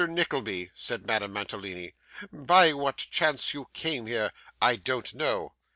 Nickleby,' said Madame Mantalini; 'by what chance you came here, I don't know.